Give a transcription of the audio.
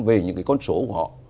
về những cái con số của họ